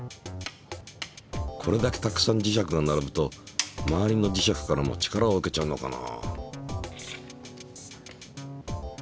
これだけたくさん磁石が並ぶと周りの磁石からも力を受けちゃうのかな？